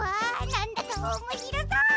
なんだかおもしろそう！